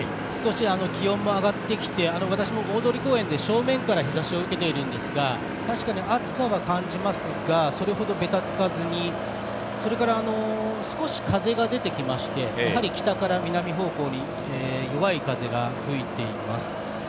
気温も上がってきて私も大通公園で、正面から日差しを受けているんですが確かに暑さを感じますがそれほどべたつかずにそれから、少し風が出てきましてやはり北から南方向に弱い風が吹いています。